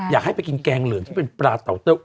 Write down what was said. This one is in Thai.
อยากให้ไปกินแกงเหลืองที่เป็นปลาเตาเต้ย